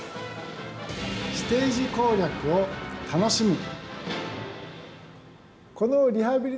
ステージ攻略を楽しむ。